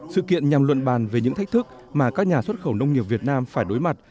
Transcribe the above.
sự kiện nhằm luận bàn về những thách thức mà các nhà xuất khẩu nông nghiệp việt nam phải đối mặt